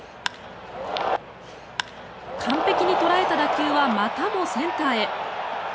完璧に捉えた打球はまたもセンターへ。